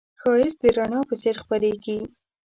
ښایست د رڼا په څېر خپرېږي